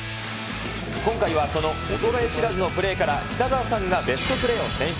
今回はその衰えしらずのプレーから、北澤さんがベストプレーを選出。